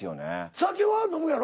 酒は飲むやろ？